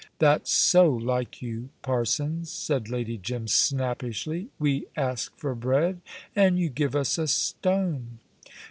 "That's so like you parsons," said Lady Jim snappishly: "we ask for bread, and you give us a stone."